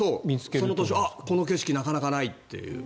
その年この景色なかなかないって。